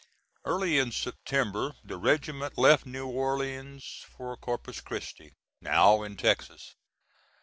Early in September the regiment left New Orleans for Corpus Christi, now in Texas.